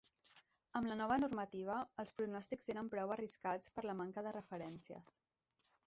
Amb la nova normativa, els pronòstics eren prou arriscats per la manca de referències.